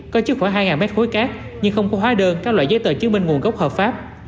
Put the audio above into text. có chứa khoảng hai mét khối cát nhưng không có hóa đơn các loại giấy tờ chứng minh nguồn gốc hợp pháp